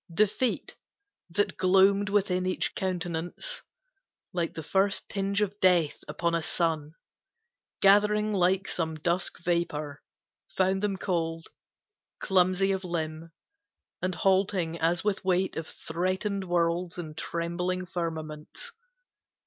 Defeat, that gloamed within each countenance Like the first tinge of death, upon a sun Gathering like some dusk vapor, found them cold, Clumsy of limb, and halting as with weight Of threatened worlds and trembling firmaments.